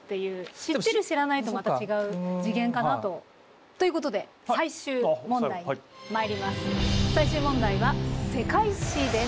知ってる知らないとまた違う次元かなと。ということで最終問題は「世界史」です。